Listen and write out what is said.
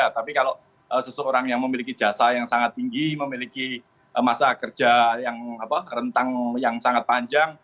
tapi kalau seseorang yang memiliki jasa yang sangat tinggi memiliki masa kerja yang rentang yang sangat panjang